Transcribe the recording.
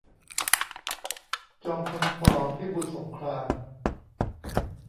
จอมพล ป. พิบูลสงคราม